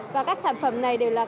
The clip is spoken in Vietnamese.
và các sản phẩm này đều là